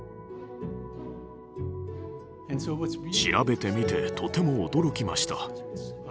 調べてみてとても驚きました。